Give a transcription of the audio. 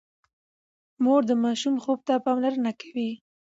مور د ماشوم خوب ته پاملرنه کوي۔